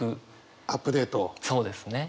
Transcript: そうですね。